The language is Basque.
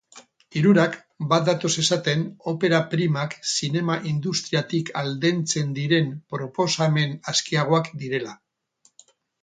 Hirurak bat datoz esaten opera primak zinema industriatik aldentzen diren proposamen askeagoak direla.